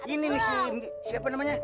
ini nih siapa namanya